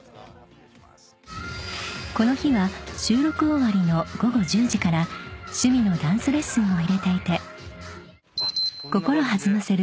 ［この日は収録終わりの午後１０時から趣味のダンスレッスンを入れていて心弾ませる